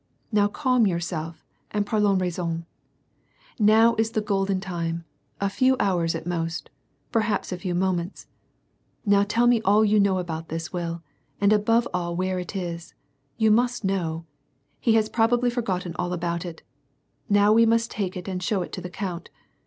Now calm yourself and parlons raison. Now is the golden time — a few hours at most, perhaps a few moments ; now tell me a]l you know about this will, and above all where it is ; you must know. He has probably forgotten all about it. Now we must take it and show it to the count.